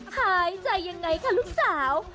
หายใจยังไงคะลูกสาว